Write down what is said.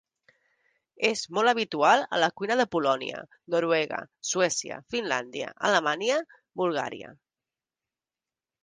És molt habitual a la cuina de Polònia, Noruega, Suècia, Finlàndia, Alemanya Bulgària.